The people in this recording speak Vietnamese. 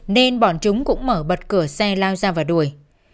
nên bọn chúng cũng mở bật cửa xe lao ra vào đuổi